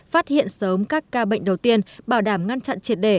phát hiện sớm các ca bệnh đầu tiên bảo đảm ngăn chặn triệt đề